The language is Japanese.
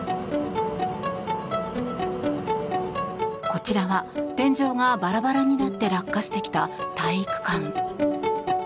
こちらは天井がバラバラになって落下してきた体育館。